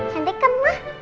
cantik kan ma